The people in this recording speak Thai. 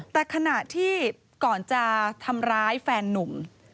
แต่ขณะที่ก่อนจะทำร้ายแฟนนุ่ม